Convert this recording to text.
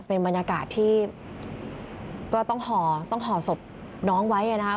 เป็นบรรยากาศที่ก็ต้องห่อต้องห่อศพน้องไว้นะครับ